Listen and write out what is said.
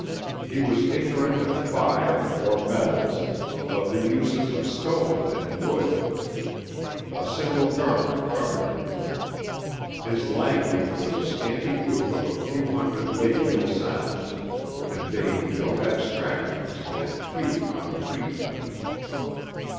He was ignorant of fire, or metals, of the uses of stone and wood. A single garment covered him. His language was a scanty group of a few hundred labial sounds, conveying no abstractions and few concrete things.